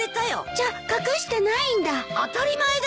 じゃ隠してないんだ。